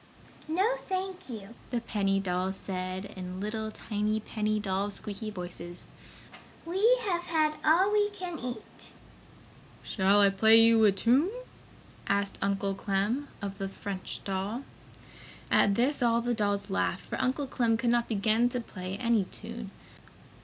"No thank you!" the penny dolls said in little penny doll, squeaky voices, "We have had all we can eat!" "Shall I play you a tune?" asked Uncle Clem of the French doll. At this all the dolls laughed, for Uncle Clem could not begin to play any tune.